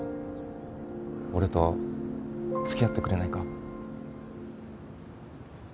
俺とつきあってくれないか？